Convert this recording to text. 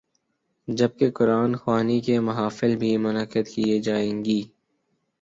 جب کہ قرآن خوانی کی محافل بھی منعقد کی جائیں گی۔